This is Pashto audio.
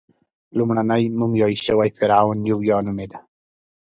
لومړنی مومیایي شوی فرعون یویا نومېده.